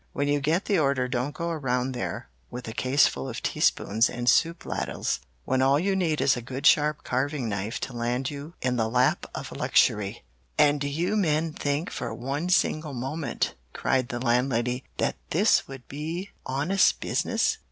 When you get the order don't go around there with a case full of teaspoons and soup ladles, when all you need is a good sharp carving knife to land you in the lap of luxury!" "And do you men think for one single moment," cried the Landlady, "that all this would be honest business?"